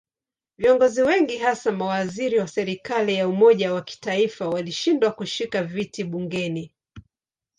Viongozi wengi hasa mawaziri wa serikali ya umoja wa kitaifa walishindwa kushika viti bungeni.